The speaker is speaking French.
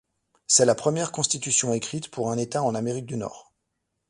C'est la première constitution écrite pour un État en Amérique du Nord.